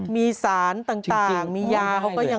มีสารต่างมียาเขาก็ยัง